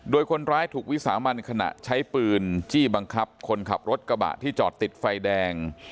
โดยคนร้ายถูกวิสามันขณะใช้ปืนจี้บังคับคนขับรถกระบะที่จอดติดไฟแดง